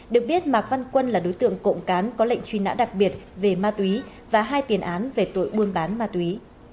được biết mạc văn quân là đối tượng cộng cán có lệnh truy nã đặc biệt về ma túy và hai tiền án về tội buôn bán ma túy